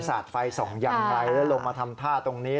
สาดไฟส่องอย่างไรแล้วลงมาทำท่าตรงนี้